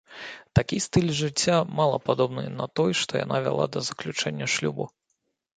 Такі стыль жыцця мала падобны на той, што яна вяла да заключэння шлюбу.